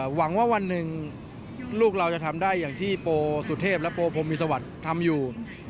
หวังว่าวันหนึ่งลูกเราจะทำได้อย่างที่โปสุเทพและโปพรมมีสวัสดิ์ทำอยู่